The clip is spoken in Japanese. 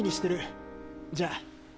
じゃあ。